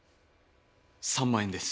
３万円です。